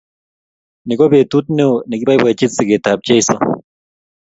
Ni ko betut neo nekiboiboichin sigetab jeiso